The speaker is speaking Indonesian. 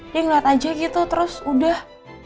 dia ngeliat aja gitu terus udah